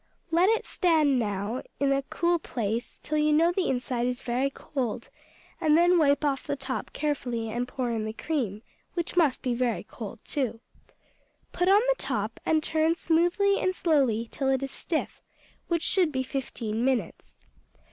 Let it stand now in a cool place, till you know the inside is very cold, and then wipe off the top carefully and pour in the cream, which must be very cold, too. Put on the top and turn smoothly and slowly till it is stiff, which should be fifteen minutes.